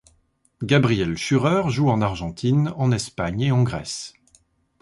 Gabriel Schürrer joue en Argentine, en Espagne et en Grèce.